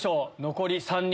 残り３人。